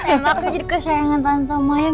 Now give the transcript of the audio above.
emang aku jadi kesayangan tante mayang